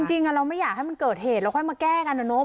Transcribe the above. จริงเราไม่อยากให้มันเกิดเหตุเราค่อยมาแก้กันนะเนอะ